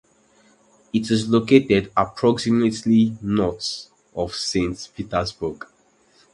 It is located approximately north of Saint Petersburg.